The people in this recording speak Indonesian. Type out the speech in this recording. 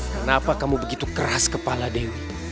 kenapa kamu begitu keras kepala dewi